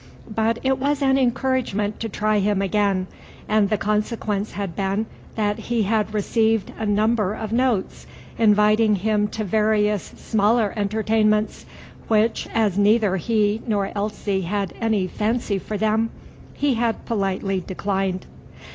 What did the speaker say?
But it was an encouragement to try him again, and the consequence had been that he had received a number of notes inviting him to various smaller entertainments, which, as neither he nor Elsie had any fancy for them, he had politely declined.